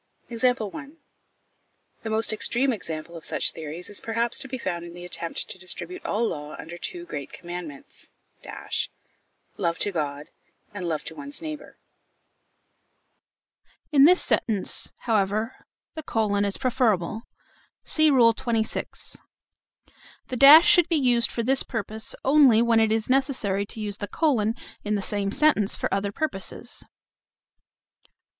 The most extreme example of such theories is perhaps to be found in the attempt to distribute all law under the two great commandments love to God, and love to one's neighbour. In this sentence, however, the colon is preferable. (See Rule XXVI.). The dash should be used for this purpose only when it is necessary to use the colon in the same sentence for other purposes.